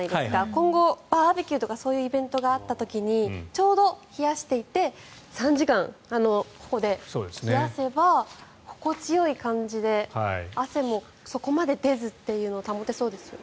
今後、バーベキューとかそういうイベントがあった時にちょうど冷やしていって３時間、ここで冷やせば心地よい感じで汗もそこまで出ずというのを保てそうですよね。